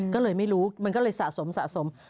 ก็เลยไม่รู้เมื่อก็เลยสะสม